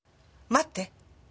待って。